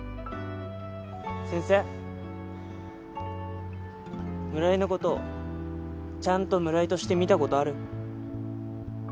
先生村井のことちゃんと村井として見たことある？